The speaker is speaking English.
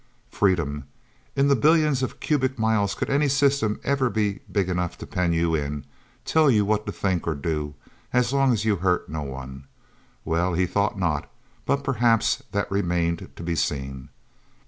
Freedom. In the billions of cubic miles could any system ever be big enough to pen you in, tell you what to think or do, as long as you hurt no one? Well he thought not, but perhaps that remained to be seen.